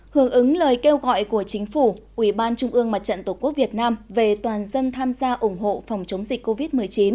hưởng ứng lời kêu gọi của chính phủ ubnd mặt trận tổ quốc việt nam về toàn dân tham gia ủng hộ phòng chống dịch covid một mươi chín